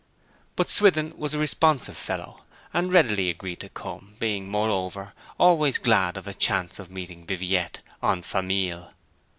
But Swithin was a responsive fellow, and readily agreed to come; being, moreover, always glad of a chance of meeting Viviette en famille.